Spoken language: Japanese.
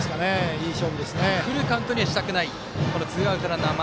いい勝負ですね。